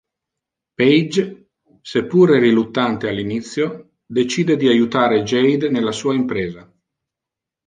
Pey'j, seppur riluttante all'inizio, decide di aiutare Jade nella sua impresa.